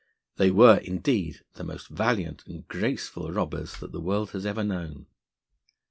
They were, indeed, the most valiant and graceful robbers that the world has ever known.